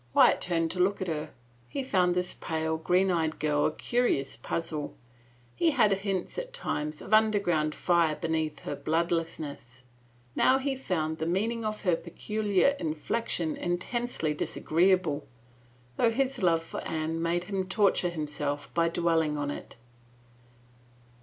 Wyatt turned to look at her. He found this pale, green eyed girl a curious puzzle. He had hints, at times, 90 « CALUMNY of underground fire beneath her bloodlessness. Now he found the meaning of her peculiar inflection intensely disagreeable, though his love for Anne made him torture himself by dwelling on it.